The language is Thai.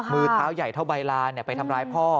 มือเท้าใหญ่เท่าใบลานไปทำร้ายพ่อ